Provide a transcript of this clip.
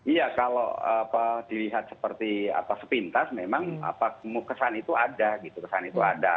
iya kalau dilihat seperti sepintas memang kesan itu ada gitu kesan itu ada